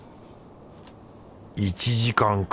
１時間か